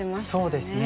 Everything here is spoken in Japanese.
そうですね。